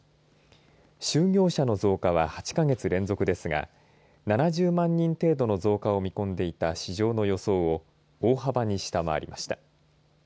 就業者の増加は８か月連続ですが７０万人程度の増加を見込んでいた市場の予想を大幅に下回りました。